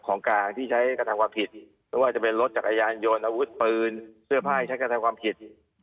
ของการที่ใช้การทำความผิด